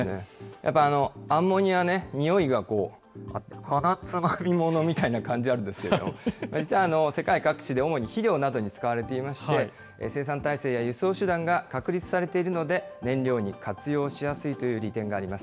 やっぱアンモニアね、においがあって、鼻つまみ者みたいな感じがあるんですけれども、実は世界各地で主に肥料などに使われていまして、生産体制や輸送手段が確立されているので、燃料に活用しやすいという利点があります。